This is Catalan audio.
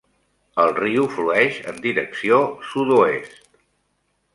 El riu flueix en direcció sud-oest.